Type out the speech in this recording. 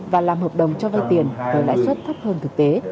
và làm hợp đồng cho vay tiền với lãi suất thấp hơn thực tế